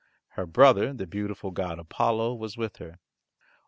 Her brother, the beautiful god Apollo, was with her.